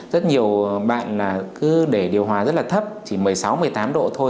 rất nhiều bạn là cứ để điều hòa rất là thấp chỉ một mươi sáu một mươi tám độ thôi